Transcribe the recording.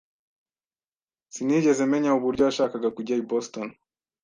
Sinigeze menya uburyo yashakaga kujya i Boston.